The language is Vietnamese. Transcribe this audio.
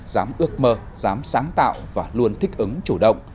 dám ước mơ dám sáng tạo và luôn thích ứng chủ động